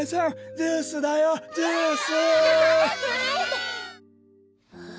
ジュースだよジュース！はあ。